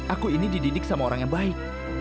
aku ini dididik sama orang yang baik